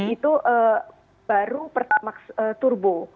itu baru pertamax turbo